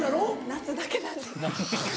夏だけなんです。